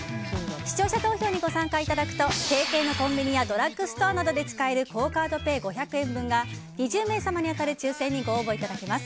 視聴者投票にご参加いただくと提携のコンビニやドラッグストアなどで使えるクオ・カードペイ５００円分が２０名様に当たる抽選にご応募いただけます。